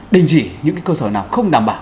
đình chỉ những cơ sở nào không đảm bảo